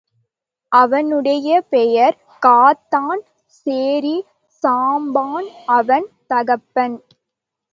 அவனுடைய பெயர் காத்தான் சேரிச் சாம்பான் அவன் தகப்பன்.